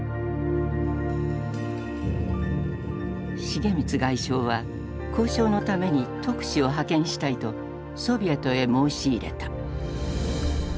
重光外相は交渉のために特使を派遣したいとソビエトへ申し入れた。